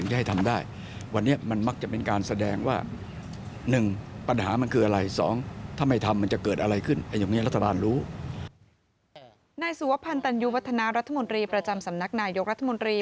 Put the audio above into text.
นายสุภพันธ์ตันยูวัฒนารัฐมนตรีประจำสำนักนายกรัฐมนตรี